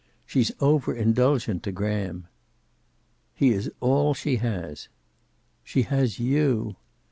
She's over indulgent to Graham." "He is all she has." "She has you."